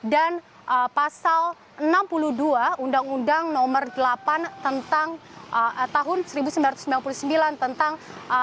dan pasal enam puluh dua undang undang nomor delapan tahun seribu sembilan ratus sembilan puluh sembilan tentang